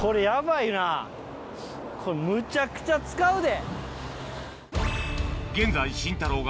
これむちゃくちゃ使うで。